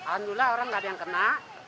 alhamdulillah orang gak ada yang kena